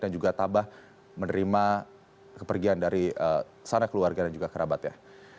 dan juga tabah menerima kepergian dari sana keluarga dan juga kerabatnya